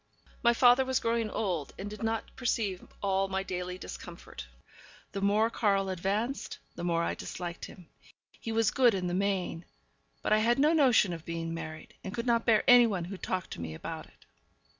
My father was growing old, and did not perceive all my daily discomfort. The more Karl advanced, the more I disliked him. He was good in the main, but I had no notion of being married, and could not bear any one who talked to me about it.